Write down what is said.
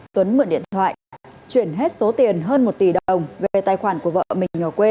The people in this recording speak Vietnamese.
tuấn mượn điện thoại